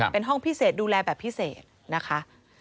เป็นห้องพิเศษดูแลแบบพิเศษนะคะ